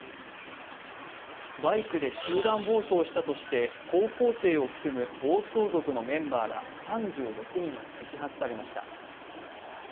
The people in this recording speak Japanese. バイクで集団暴走したとして高校生を含む暴走族のメンバーら３６人が摘発されました。